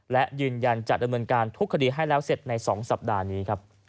และยืนยันจะดำเนินการทุกคดีให้แล้วเสร็จใน๒สัปดาห์นี้ครับ